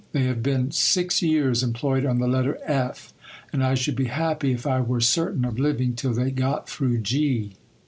They have been six years employed on the letter F; and I should be happy if I were certain of living till they got through G."